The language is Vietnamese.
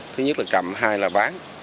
thứ nhất là cầm hai là bán